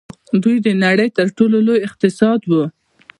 دوی د نړۍ تر ټولو لوی اقتصاد وو.